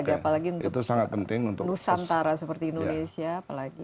penting lagi apalagi untuk nusantara seperti indonesia apalagi